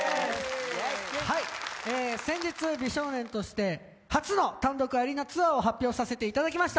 先日、美少年として、初の単独アリーナツアーを発表させていただきました。